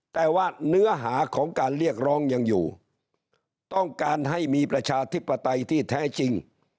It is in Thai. แต่ว่าเนื้อหาของการเรียกร้องยังอยู่ต้องการให้มีประชาธิปไตยที่แท้จริง